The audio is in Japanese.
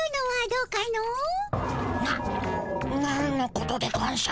ななんのことでゴンショ。